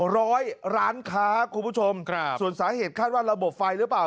ร้อยร้านค้าคุณผู้ชมครับส่วนสาเหตุคาดว่าระบบไฟหรือเปล่า